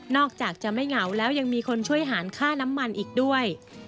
อกจากจะไม่เหงาแล้วยังมีคนช่วยหารค่าน้ำมันอีกด้วย